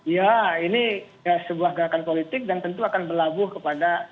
ya ini sebuah gerakan politik dan tentu akan berlabuh kepada